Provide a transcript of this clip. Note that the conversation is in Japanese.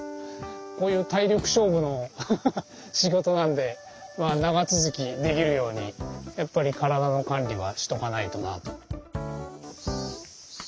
こういう体力勝負の仕事なんでまあ長続きできるようにやっぱり体の管理はしとかないとなと。